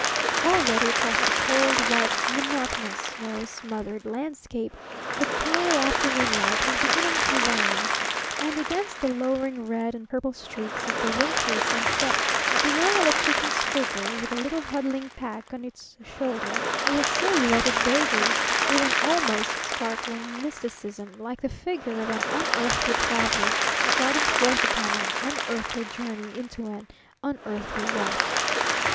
Already across the cold, white, monotonous, snow smothered landscape the pale afternoon light was beginning to wane, and against the lowering red and purple streaks of the wintry sunset the Young Electrician's figure, with the little huddling pack on its shoulder, was silhouetted vaguely, with an almost startling mysticism, like the figure of an unearthly Traveler starting forth upon an unearthly journey into an unearthly West.